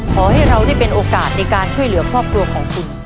ขอให้เราได้เป็นโอกาสในการช่วยเหลือครอบครัวของคุณ